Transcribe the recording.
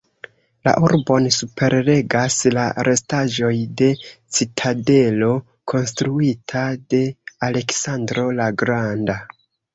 La urbon superregas la restaĵoj de citadelo konstruita de Aleksandro la Granda.